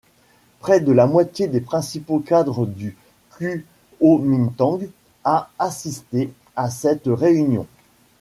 Près de la moitié des principaux cadres du Kuomintang a assisté à cette réunion.